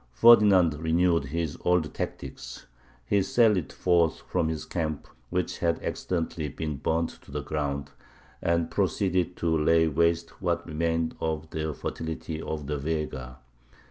Ferdinand renewed his old tactics. He sallied forth from his camp, which had accidentally been burnt to the ground, and proceeded to lay waste what remained of the fertility of the Vega.